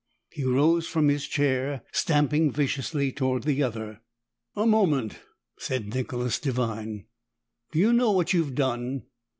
He rose from his chair, stamping viciously toward the other. "A moment," said Nicholas Devine. "Do you know what you've done?